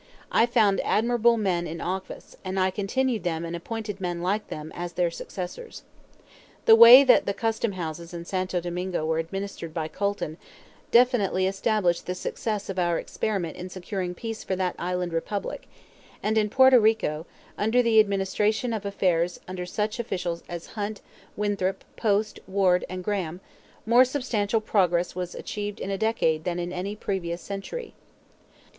I found admirable men in office, and I continued them and appointed men like them as their successors. The way that the custom houses in Santo Domingo were administered by Colton definitely established the success of our experiment in securing peace for that island republic; and in Porto Rico, under the administration of affairs under such officials as Hunt, Winthrop, Post, Ward and Grahame, more substantial progress was achieved in a decade than in any previous century.